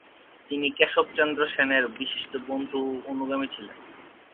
তিনি কেশবচন্দ্র সেনের বিশিষ্ট বন্ধু ও অনুগামী ছিলেন।